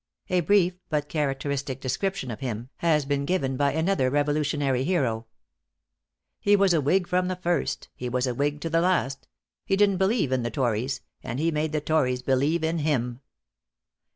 A brief, but characteristic description of him has been given by another Revolutionary hero: "He was a whig from the first he was a whig to the last; he didn't believe in the tories, and he made the tories believe in him."